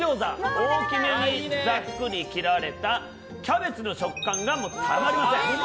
大きめにざっくり切られたキャベツの食感がたまりません。